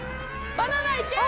バナナいけ。